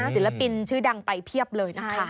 สินละปินชื่อดังไปเพียบเลย